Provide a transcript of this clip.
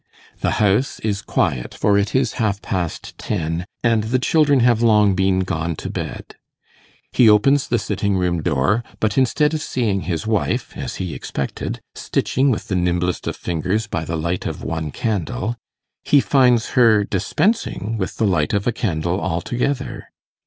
The house is quiet, for it is half past ten, and the children have long been gone to bed. He opens the sitting room door, but instead of seeing his wife, as he expected, stitching with the nimblest of fingers by the light of one candle, he finds her dispensing with the light of a candle altogether.